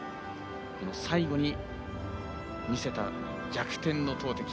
最後に見せた逆転の投てき